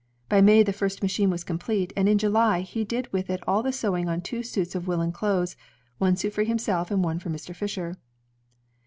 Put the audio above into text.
By May the first machine was complete, and in July he did with it all the sewing on two suits of woolen clothes, one suit for himself and one for Mr. Fisher.